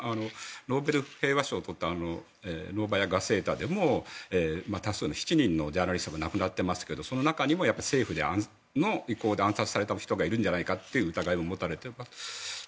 ノーベル平和賞を取ったノーバヤ・ガゼータでも多数の、７人のジャーナリストが亡くなっていますけどその中でも政府の意向で暗殺された人がいるのではという疑いが持たれている。